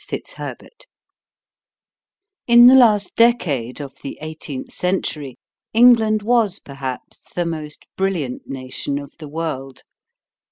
FITZHERBERT In the last decade of the eighteenth century England was perhaps the most brilliant nation of the world.